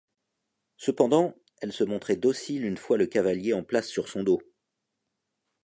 Cependant, elle se montrait docile une fois le cavalier en place sur son dos.